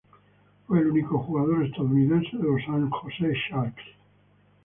Fue el único jugador estadounidense de los San Jose Sharks.